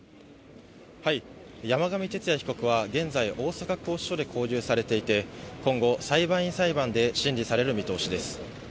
山上徹也被告は現在、大阪拘置所で勾留されていて、今後、裁判員裁判で審理される見通しです。